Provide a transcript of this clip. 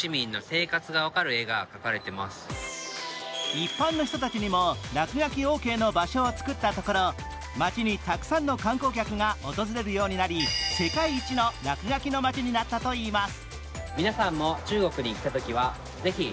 一般の人たちにも落書きオーケーの場所を作ったところ、街にたくさんの観光客が訪れるようになり、世界一の落書きの街になったといいます。